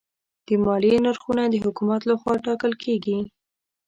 د مالیې نرخونه د حکومت لخوا ټاکل کېږي.